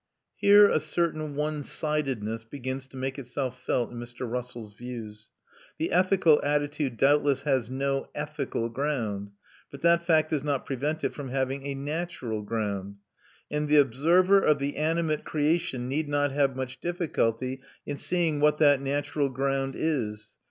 Here a certain one sidedness begins to make itself felt in Mr. Russell's views. The ethical attitude doubtless has no ethical ground, but that fact does not prevent it from having a natural ground; and the observer of the animate creation need not have much difficulty in seeing what that natural ground is.